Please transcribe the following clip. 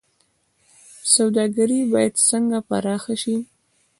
سوداګري باید څنګه پراخه شي؟